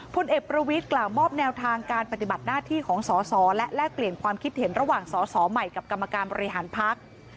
พลเอกประวิทย์กล่าวมอบแนวทางการปฏิบัติหน้าที่ของสอสอและแลกเปลี่ยนความคิดเห็นระหว่างสอสอใหม่กับกรรมการบริหารพัก